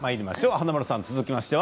華丸さん続きましては。